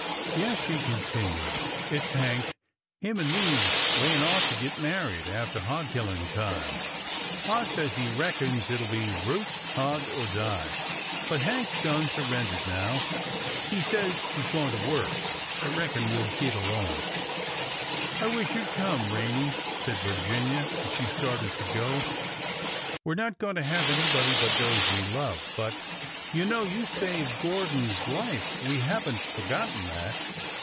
" Yes," she continued, '' it 's Hank. Him and me 's layin' off to git married after hog killin' time. Pa says he reckons it 'll be ' root, hog, or die.' But Hank 's done surrendered now. He says he 's goin' to work. I reckon we 'll git along." I wish you 'd come, Rene," said Virginia, as she started to go. ''We are not going to have anybody but those we love, but— you know you saved Gordon's life. We have n't forgotten that."